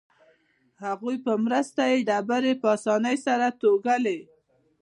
هغوی په مرسته یې ډبرې په اسانۍ سره توږلې.